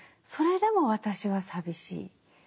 それでも私は寂しい。